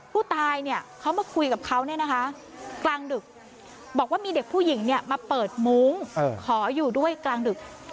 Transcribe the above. ผู้ตายเนี่ยเขามาคุยกับเขาเนี่ยนะคะกลางดึกบอกว่ามีเด็กผู้หญิงมาเปิดมุ้งขออยู่ด้วยกลางดึก